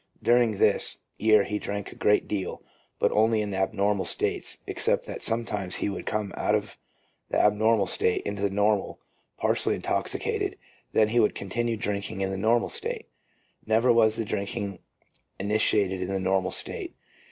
During this year he drank a great deal, but only in the abnormal states, except that sometimes he would come out of the abnormal state into the normal, partially intoxicated; then he would continue drinking in the normal state. Never was the drinking initiated in the normal state.